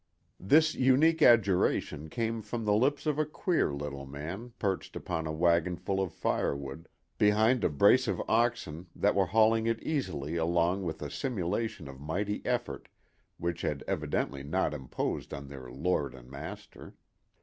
This unique adjuration came from the lips of a queer little man perched upon a wagonful of firewood, behind a brace of oxen that were hauling it easily along with a simulation of mighty effort which had evidently not imposed on their lord and master.